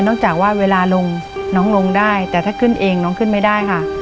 จากว่าเวลาลงน้องลงได้แต่ถ้าขึ้นเองน้องขึ้นไม่ได้ค่ะ